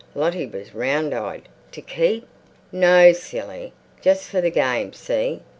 Lottie was round eyed. "To keep?" "No, silly. Just for the game, see?